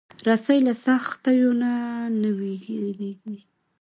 رسۍ له سختیو نه نه وېرېږي.